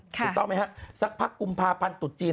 ถูกต้องไหมฮะสักพักกุมภาพันธ์ตุดจีน